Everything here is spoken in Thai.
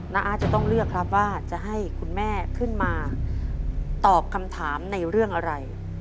อาจจะต้องเลือกครับว่าจะให้คุณแม่ขึ้นมาตอบคำถามในเรื่องอะไร